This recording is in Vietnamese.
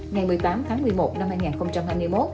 ngày một mươi tám tháng một mươi một năm hai nghìn hai mươi một